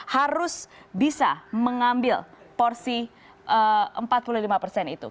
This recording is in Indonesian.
harus bisa mengambil porsi empat puluh lima persen itu